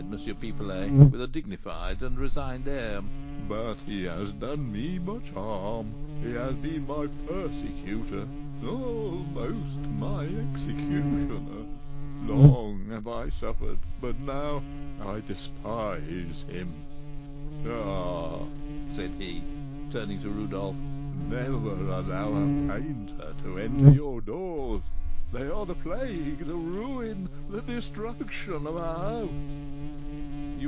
Pipelet, with a dignified and resigned air; "but he has done me much harm; he has been my persecutor, almost my executioner, long have I suffered, but now I despise him! Ah," said he, turning to Rodolph, "never allow a painter to enter your doors; they are the plague the ruin the destruction of a house!"